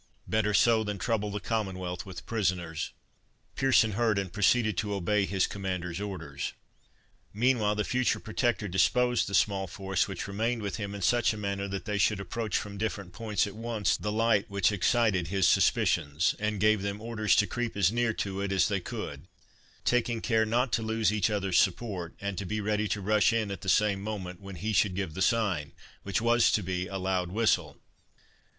Better so than trouble the Commonwealth with prisoners." Pearson heard, and proceeded to obey his commander's orders. Meanwhile, the future Protector disposed the small force which remained with him in such a manner that they should approach from different points at once the light which excited his suspicions, and gave them orders to creep as near to it as they could, taking care not to lose each other's support, and to be ready to rush in at the same moment, when he should give the sign, which was to be a loud whistle.